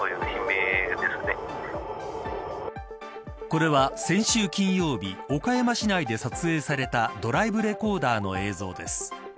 これは、先週金曜日岡山市内で撮影されたドライブレコーダーの映像です。